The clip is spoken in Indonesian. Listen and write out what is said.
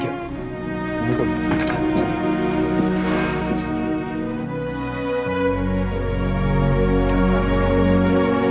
terima kasih arud